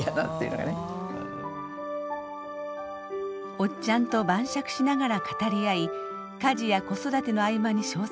おっちゃんと晩酌しながら語り合い家事や子育ての合間に小説を書く。